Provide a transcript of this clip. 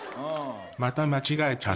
また間違えちゃった。